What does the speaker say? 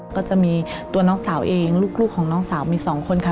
ก็จะมีตัวน้องสาวเองลูกของน้องสาวมี๒คนค่ะ